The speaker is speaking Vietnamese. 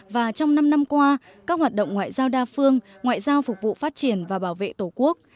và trong năm năm qua các hoạt động ngoại giao đa phương ngoại giao phục vụ phát triển và bảo vệ tổ quốc